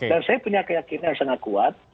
dan saya punya keyakinan yang sangat kuat